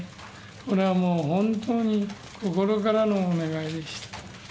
これはもう、本当に心からのお願いでした。